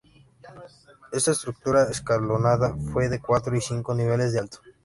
Esta estructura escalonada fue de cuatro y cinco niveles de alto.